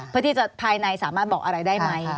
เพื่อที่จะภายในสามารถบอกอะไรได้ไหม